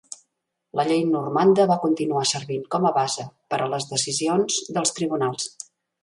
La llei normanda va continuar servint com a base per a les decisions dels tribunals.